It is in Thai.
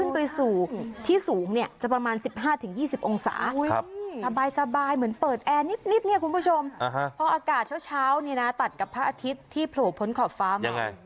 เพราะอากาศเช้าตัดกับพระอาทิตย์ที่โผล่พ้นขอบฟ้ามา